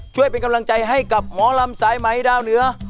ช่วยเป็นกำลังใจให้กับหมอลำสายไหมดาวเหนือ